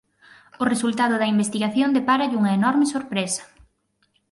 O resultado da investigación depararalle unha enorme sorpresa.